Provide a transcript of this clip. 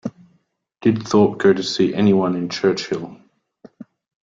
Did Thorpe go to see any one in Churchill.